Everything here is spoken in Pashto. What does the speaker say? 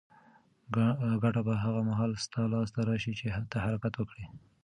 ګټه به هغه مهال ستا لاس ته راشي چې ته حرکت وکړې.